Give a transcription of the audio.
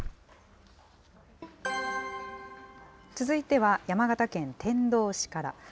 続いては、山形県天童市から。